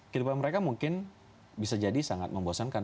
kehidupan mereka mungkin bisa jadi sangat membosankan